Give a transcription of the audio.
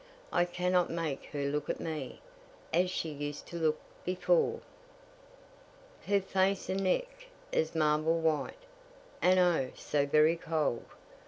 I cannot make her look at me As she used to look before. Her face and neck as marble white, And, O, so very cold!